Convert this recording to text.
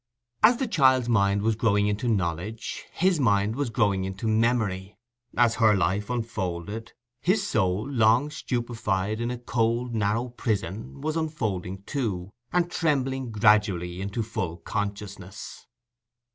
As the child's mind was growing into knowledge, his mind was growing into memory: as her life unfolded, his soul, long stupefied in a cold narrow prison, was unfolding too, and trembling gradually into full consciousness.